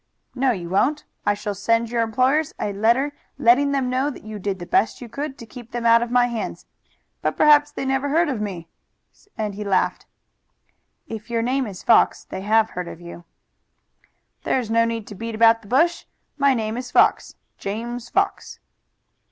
"No, you won't. I shall send your employers a letter letting them know that you did the best you could to keep them out of my hands. But perhaps they never heard of me," and he laughed. "If your name is Fox they have heard of you." "There is no need to beat about the bush. My name is Fox James Fox."